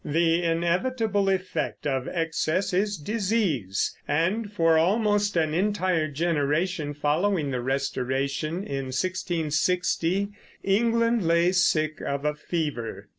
The inevitable effect of excess is disease, and for almost an entire generation following the Restoration, in 1660, England lay sick of a fever.